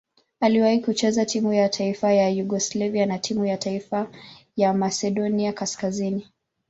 Aliwahi kucheza timu ya taifa ya Yugoslavia na timu ya taifa ya Masedonia Kaskazini.